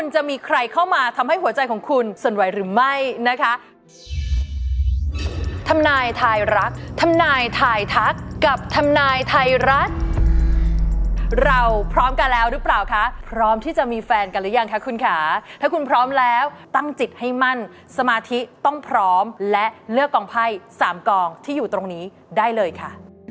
จะมีใครเข้ามาทำให้หัวใจของคุณสนไหวหรือไม่นะคะทำนายไทยรัฐทำนายไทยทักกับทำนายไทยรัฐเราพร้อมกันแล้วหรือเปล่าคะพร้อมที่จะมีแฟนกันหรือยังคะคุณค่ะถ้าคุณพร้อมแล้วตั้งจิตให้มั่นสมาธิต้องพร้อมและเลือกกองไพ่สามกองที่อยู่ตรงนี้ได้เลยค่ะ